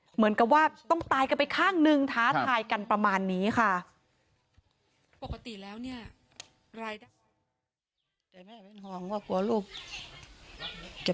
เหมือนกับว่าต้องตายกันไปข้างนึงท้าทายกันประมาณนี้ค่ะ